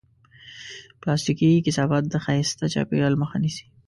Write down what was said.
پلاستيکي کثافات د ښایسته چاپېریال مخه نیسي.